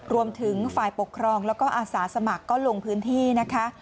รวมถึงฝ่ายปกครองแล้วก็อาสาสมัครก็ลงพื้นที่นะคะ